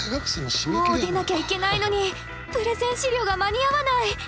もう出なきゃいけないのにプレゼン資料が間に合わない！